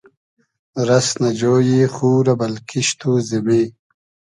رئس نۂ جۉیی خو رۂ بئل کیشت و زیمی